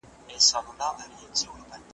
چي غوايي غوښو ته وکتل حیران سو .